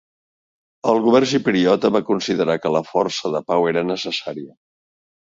El govern xipriota va considerar que la força de pau era necessària.